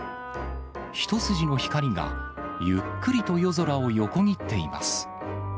一筋の光がゆっくりと夜空を横切っています。